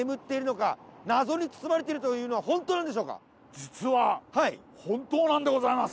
実は本当なんでございます！